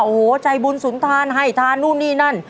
โอ้โหใจบุญสุนทานให้ทานนู่นนี่นั่น